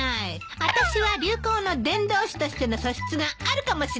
あたしは流行の伝道師としての素質があるかもしれないわね。